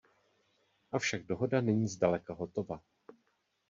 Avšak dohoda není zdaleka hotova.